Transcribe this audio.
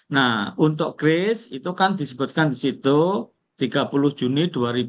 nah untuk kris itu kan disebutkan disitu tiga puluh juni dua ribu dua puluh lima